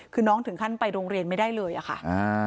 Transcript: คือน้องถึงขั้นไปโรงเรียนไม่ได้เลยอะค่ะ